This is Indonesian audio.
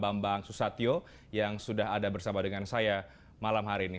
bambang susatyo yang sudah ada bersama dengan saya malam hari ini